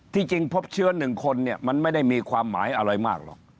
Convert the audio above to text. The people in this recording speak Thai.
จริงพบเชื้อ๑คนเนี่ยมันไม่ได้มีความหมายอะไรมากหรอก